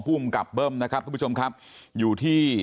ภูมิกับเบิ้มนะครับทุกผู้ชมครับอยู่ที่